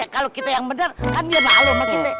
kalau kita yang bener kan dia malu sama kita